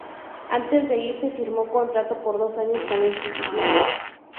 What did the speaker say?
Antes de irse, firmó contrato por dos años con la institución.